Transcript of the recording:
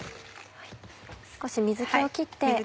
少し水気を切って。